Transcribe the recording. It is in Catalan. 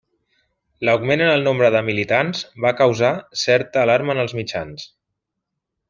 L'augment en el nombre de militants va causar certa alarma en els mitjans.